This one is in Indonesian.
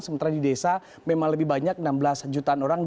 sementara di desa memang lebih banyak enam belas jutaan orang